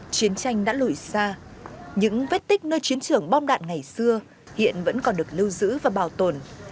chiến tranh đã lùi xa những vết tích nơi chiến trường bom đạn ngày xưa hiện vẫn còn được lưu giữ và bảo tồn